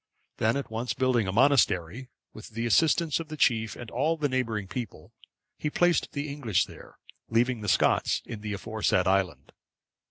Then at once building a monastery, with the assistance of the chief and all the neighbouring people, he placed the English there, leaving the Scots in the aforesaid island.